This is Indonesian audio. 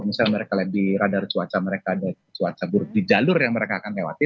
misalnya mereka lihat di radar cuaca mereka cuaca buruk di jalur yang mereka akan lewati